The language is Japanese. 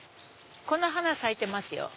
この花咲いてますよ。